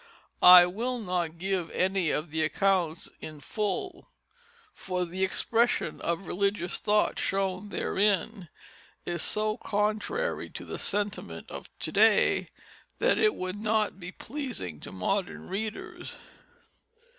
I will not give any of the accounts in full, for the expression of religious thought shown therein is so contrary to the sentiment of to day that it would not be pleasing to modern readers.